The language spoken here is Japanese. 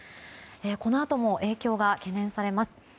このあとも影響が懸念されます。